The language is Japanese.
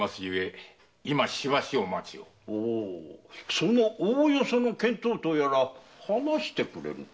そのおおよその見当とやら話してくれぬか？